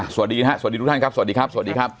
สวัสดีครับสวัสดีทุกท่านครับสวัสดีครับสวัสดีครับ